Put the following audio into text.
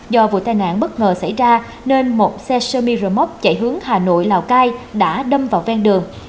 do vụ tai nạn bất ngờ xảy ra nên một xe sermi remote chạy hướng hà nội lào cai đã đâm vào ven đường